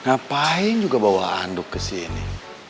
ngapain juga bawa anduk kesini